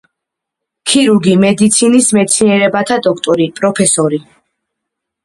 ქირურგი, მედიცინის მეცნიერებათა დოქტორი, პროფესორი.